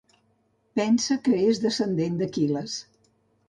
Pensa que és descendent d'Aquil·les.